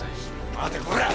待てコラッ！